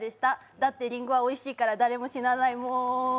だってりんごはおいしいから誰も死なないもーん。